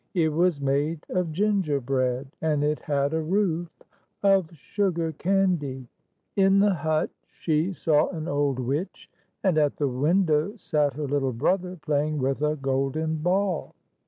It was made of ginger bread, and it had a roof of sugar candy. In the hut she saw an old witch; and at the window sat her little brother, playing with a golden ball.